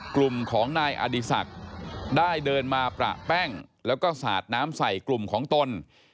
กลุ่มของนายอดีศักดิ์ได้เดินมาประแป้งแล้วก็สาดน้ำใส่กลุ่มของตน